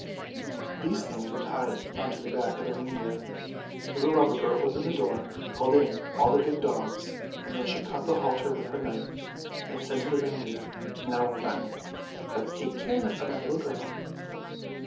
These things were tied on to the back of the reindeer; the little robber girl opened the door, called in all the big dogs, and THE SNOW QUEEN 209 then she cut the halter with her knife, and said to the reindeer, " Now run, but take care of my little girl!